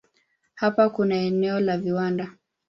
Hapa kuna eneo la viwanda.